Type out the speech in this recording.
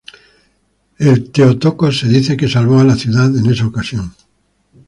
El "Theotokos" se dice que salvó a la ciudad en esa ocasión.